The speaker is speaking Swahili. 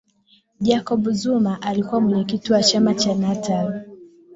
jacob zuma alikuwa mwenyekiti wa chama cha natal